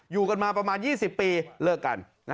อยู่กันมาประมาณ๒๐ปีเลิกกัน